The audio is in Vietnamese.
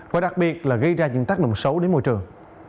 và đặc biệt là gây ra những tác động xấu đến môi trường